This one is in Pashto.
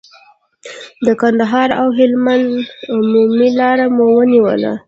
د کندهار او هلمند عمومي لار مو ونیوله.